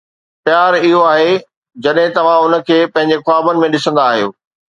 پيار اهو آهي جڏهن توهان ان کي پنهنجي خوابن ۾ ڏسندا آهيو.